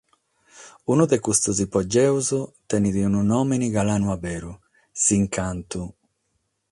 Unu de custos ipogeos tenet unu nùmene galanu a beru: “S’Incantu“.